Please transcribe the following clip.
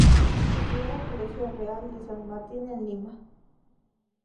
Estudió en el Colegio Real de San Martín en Lima.